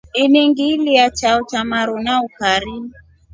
Ini ngililya chao cha maru na ukari.